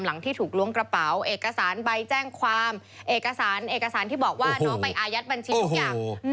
ที่ถูกล้วงกระเป๋าเอกสารใบแจ้งความเอกสารเอกสารที่บอกว่าน้องไปอายัดบัญชีทุกอย่าง